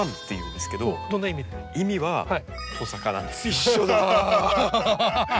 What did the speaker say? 一緒だ！